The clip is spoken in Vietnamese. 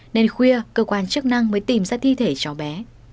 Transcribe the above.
nên khuya cơ quan chức năng mới tìm ra thi thể cháu bé